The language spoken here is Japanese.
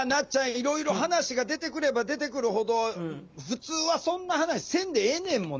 いろいろ話が出てくれば出てくるほど普通はそんな話せんでええねんもんね。